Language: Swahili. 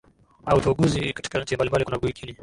a uchaguzi katika nchi mbalimbali kuna guinea